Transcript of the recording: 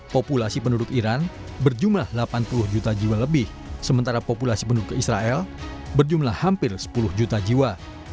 populasi penduduk iran berjumlah delapan puluh juta jiwa lebih sementara populasi penduduk israel berjumlah hampir sepuluh juta jiwa